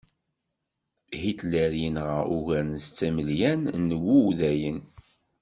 Hitler yenɣa ugar n setta imelyan n wudayen.